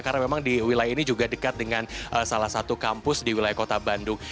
karena memang di wilayah ini juga dekat dengan salah satu kampus di wilayah kota bandung